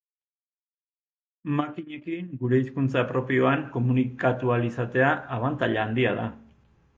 Makinekin gure hizkuntza propioan komunikatu ahal izatea abantaila handia da.